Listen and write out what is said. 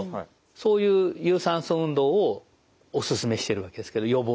そういう有酸素運動をお勧めしてるわけですけど予防になると。